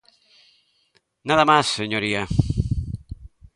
Nada más, señoría.